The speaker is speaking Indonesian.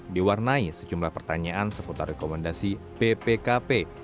diwarnai sejumlah pertanyaan seputar rekomendasi bpkp